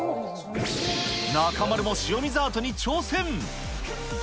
中丸も塩水アートに挑戦。